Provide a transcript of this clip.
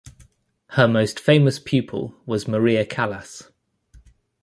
Her most famous pupil was Maria Callas.